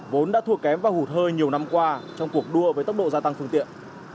vốn đã thua kém và hụt hơi nhiều năm qua trong cuộc đua với tốc độ gia tăng phương tiện